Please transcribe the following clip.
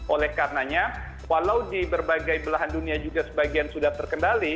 oleh karenanya walau di berbagai belahan dunia juga sebagian sudah terkendali